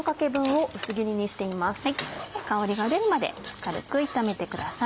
香りが出るまで軽く炒めてください。